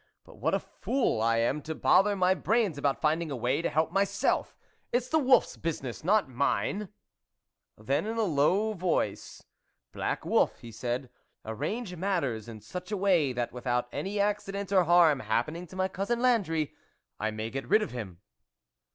But what a fool I am to bother my brains about finding a way to help my self ! It's the wolfs business, not mine ?" Then in a low voice :" Black wolf," he 44 THE WOLF LEADER said, " arrange matters in such a way, that without any accident or harm happening to my Cousin Landry, I may get rid of him."